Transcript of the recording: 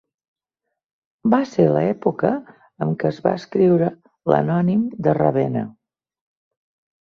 Va ser l"època en que es va escriure l"Anònim de Ravena.